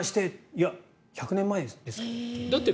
いや、３０年前ですけどって。